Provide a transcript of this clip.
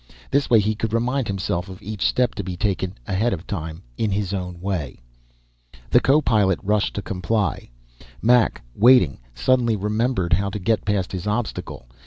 This way he could remind himself of each step to be taken ahead of time, in his own way. The co pilot rushed to comply. Mac, waiting, suddenly remembered how to get past his obstacle.